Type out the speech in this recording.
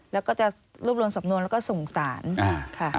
แล้วก็จะรวบรวมสำนวนแล้วก็ส่งสารค่ะ